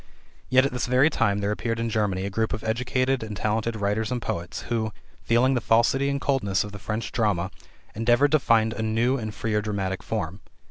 Yet at this very time there appeared in Germany a group of educated and talented writers and poets, who, feeling the falsity and coldness of the French drama, endeavored to find a new and freer dramatic form.